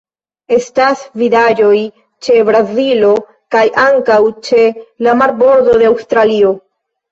Estis vidaĵoj ĉe Brazilo kaj ankaŭ ĉe la marbordo de Aŭstralio.